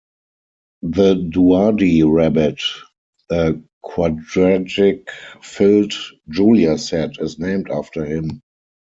The Douady rabbit, a quadratic filled Julia set, is named after him.